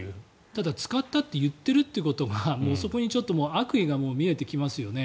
ただ、使ったと言っていることがそこに悪意が見えてきますよね。